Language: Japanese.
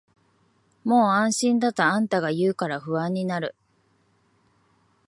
もう安心だとあんたが言うから不安になる